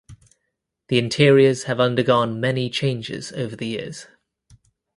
The interiors have undergone many changes over the years.